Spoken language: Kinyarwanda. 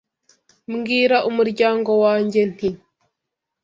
Mbwira umuryango wanjye nti,